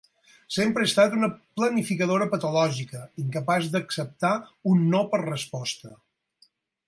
Sempre ha estat una planificadora patològica, incapaç d'acceptar un no per resposta.